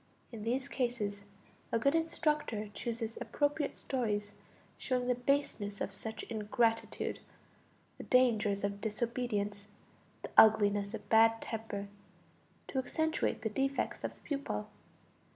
In these cases a good instructor chooses appropriate stories showing the baseness of such ingratitude, the dangers of disobedience, the ugliness of bad temper, to accentuate the defects of the pupil.